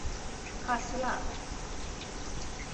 کاسیا